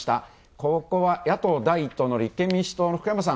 ここは野党第１党の立憲民主党の福山さん